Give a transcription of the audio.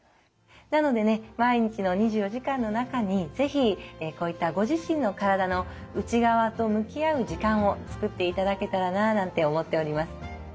なのでね毎日の２４時間の中に是非こういったご自身の体の内側と向き合う時間を作っていただけたらななんて思っております。